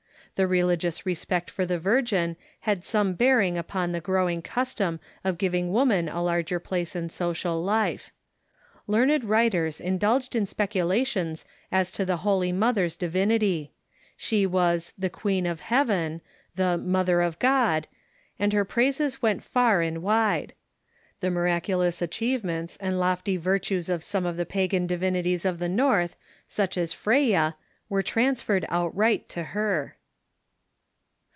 The re Reverencefor Jicrious respect for the Viroin had some bearing the Virgin Mary = i ,»..^ upon the growing custom of giving woman a larger place in social life. Learned writers indulged in specu lations as to the Holy Mother's divinity. She was the " Queen of Heaven," the " Mother of God," and her praises went far and wide. The miraculous achievements and lofty virtues of some of the pagan divinities of the North, such as Freya, were transferred outright to her.